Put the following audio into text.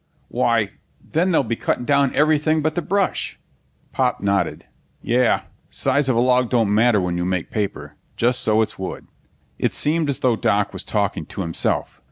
"Why, then they'll be cutting down everything but the brush!" Pop nodded. "Yeah. Size of a log don't matter when you make paper just so it's wood." It seemed as though Doc was talking to himself.